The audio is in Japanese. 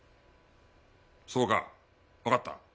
そうかわかった。